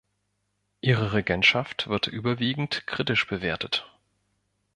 Ihre Regentschaft wird überwiegend kritisch bewertet.